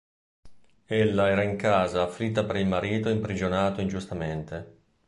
Ella era in casa afflitta per il marito imprigionato ingiustamente.